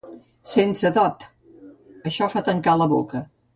Sense dot! Això fa tancar la boca.